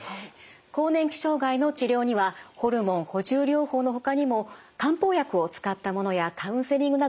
更年期障害の治療にはホルモン補充療法のほかにも漢方薬を使ったものやカウンセリングなどさまざまなものがあります。